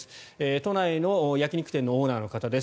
都内の焼き肉店のオーナーの方です。